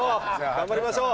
頑張りましょう。